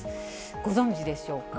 ご存じでしょうか。